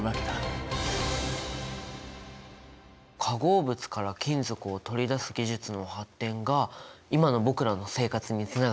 化合物から金属を取り出す技術の発展が今の僕らの生活につながってるんだね。